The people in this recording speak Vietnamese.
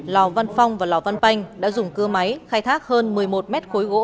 lò văn phong và lò văn banh đã dùng cưa máy khai thác hơn một mươi một mét khối gỗ